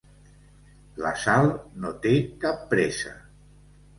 La Sal no té cap pressa.